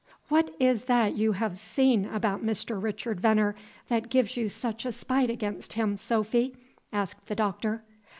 "What is that you have seen about Mr. Richard Veneer that gives you such a spite against him, Sophy?" asked the Doctor.